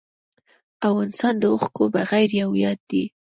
او انسان د اوښکو بغير يو ياد دی